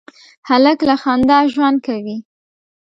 هلک له خندا ژوند کوي.